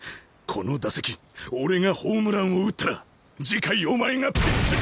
この打席俺がホームランを打ったら次回お前がピッチャ。